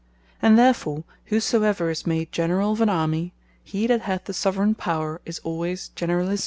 And therefore whosoever is made Generall of an Army, he that hath the Soveraign Power is alwayes Generallissimo.